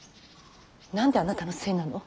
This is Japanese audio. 何であなたのせいなの。